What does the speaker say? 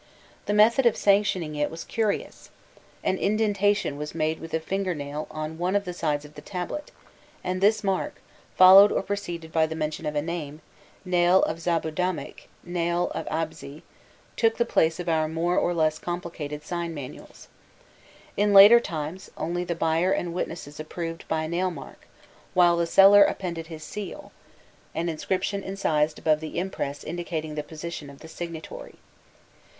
The method of sanctioning it was curious. An indentation was made with the finger nail on one of the sides of the tablet, and this mark, followed or preceded by the mention of a name, "Nail of Zabudamik," "Nail of Abzii," took the place of our more or less complicated sign manuals. In later times, only the buyer and witnesses approved by a nail mark, while the seller appended his seal; an inscription incised above the impress indicating the position of the signatory.